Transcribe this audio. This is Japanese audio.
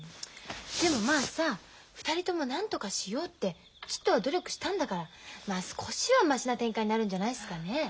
でもまあさ２人ともなんとかしようってちょっとは努力したんだからまあ少しはマシな展開になるんじゃないっすかねえ。